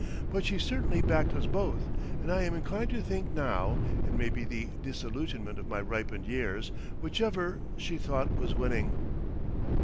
But she certainly backed us both, and I am inclined to think now—it may be the disillusionment of my ripened years—whichever she thought was winning.